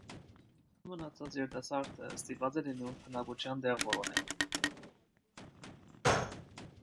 Անտուն մնացած երիտասարդը ստիպված է լինում բնակության տեղ որոնել։